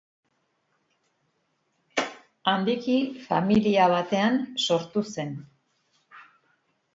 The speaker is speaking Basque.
Handiki familia batean sortu zen.